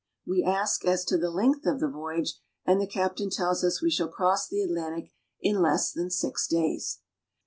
We ask as to the length of the voyage, and the captain tells us we shall cross the Atlantic in less than six days.